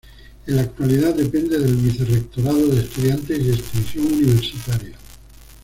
En la actualidad depende del vicerrectorado de Estudiantes y Extensión Universitaria.